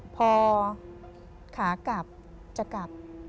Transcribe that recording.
พอขากลับจะกลับ